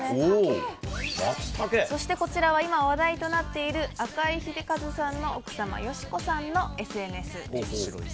そして、こちらは今話題となっている赤井英和さんの奥様佳子さんのＳＮＳ。